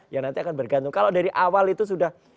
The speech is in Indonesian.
yang nanti akan bergantung kalau dari awal itu sudah